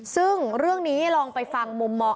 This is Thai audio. ซึ่งเรื่องนี้ลองไปฟังมุมมอง